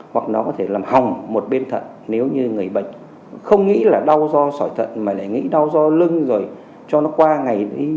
hoặc nó có thể làm hỏng một bên thận nếu như người bệnh không nghĩ là đau do sỏi thận mà lại nghĩ đau do lưng rồi cho nó qua ngày đi